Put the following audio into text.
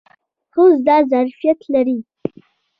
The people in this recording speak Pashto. خوست دا ظرفیت لري.